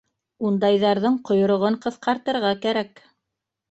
Ундайҙарҙың ҡойроғон ҡыҫҡартырға кәрәк.